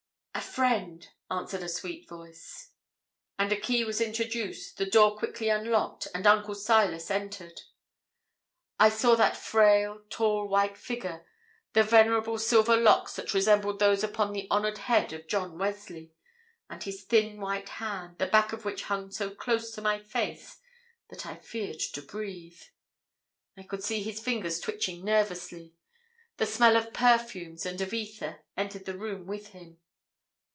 'A friend,' answered a sweet voice. And a key was introduced, the door quickly unlocked, and Uncle Silas entered. I saw that frail, tall, white figure, the venerable silver locks that resembled those upon the honoured head of John Wesley, and his thin white hand, the back of which hung so close to my face that I feared to breathe. I could see his fingers twitching nervously. The smell of perfumes and of ether entered the room with him.